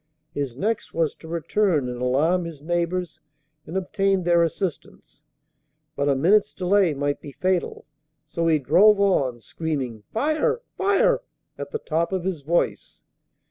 His next was to return and alarm his neighbors and obtain their assistance. But a minute's delay might be fatal: so he drove on, screaming, "Fire! fire!" at the top of his voice.